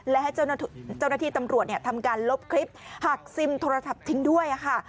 และให้เจ้าหน้าที่ตำรวจทำการลบคลิปหักซิมโทรศัพท์ทิ้งด้วยค่ะ